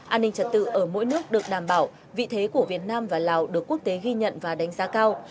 an ninh trật tự ở mỗi nước được đảm bảo vị thế của việt nam và lào được quốc tế ghi nhận và đánh giá cao